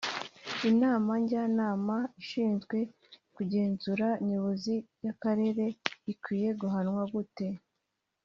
Inama njyanama ishinzwe kugenzura nyobozi y’akarere ikwiye guhanwa gute